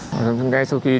đại quý đào thị thu huyền